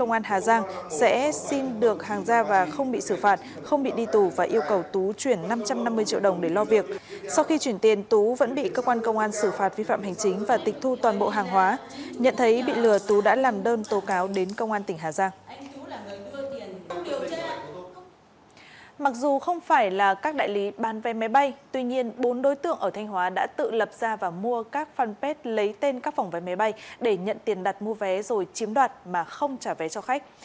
mặc dù không phải là các đại lý bán vé máy bay tuy nhiên bốn đối tượng ở thanh hóa đã tự lập ra và mua các fanpage lấy tên các phòng vé máy bay để nhận tiền đặt mua vé rồi chiếm đoạt mà không trả vé cho khách